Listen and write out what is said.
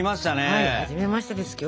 はいはじめましてですきょう。